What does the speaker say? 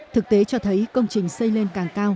thực tế cho thấy công trình xây lên càng cao